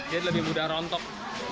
ia lebih mudah rontok